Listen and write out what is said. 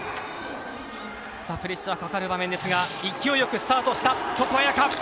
プレッシャーかかる場面ですが、勢いよくスタートした床亜矢可。